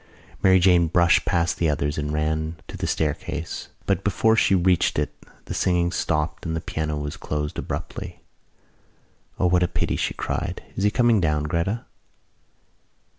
Mary Jane brushed past the others and ran to the staircase, but before she reached it the singing stopped and the piano was closed abruptly. "O, what a pity!" she cried. "Is he coming down, Gretta?"